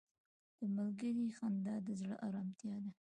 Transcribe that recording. • د ملګري خندا د زړه ارامتیا ده.